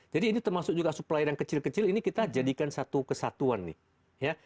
jadi ini termasuk juga supplier yang kecil kecil ini kita jadikan satu kesatuan nih ya